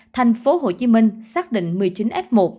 tp hcm xác định một mươi chín f một